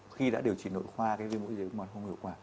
khi đã điều trị nội khoa cái mũi dưới mặt không hiệu quả